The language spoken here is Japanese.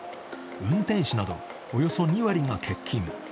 運転士などおよそ２割が欠勤。